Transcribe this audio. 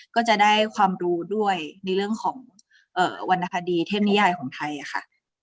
ก็จะได้ความรู้ด้วยในเรื่องของวรรณคดีเทพนิยายของไทยค่ะ